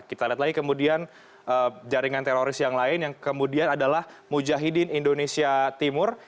kita lihat lagi kemudian jaringan teroris yang lain yang kemudian adalah mujahidin indonesia timur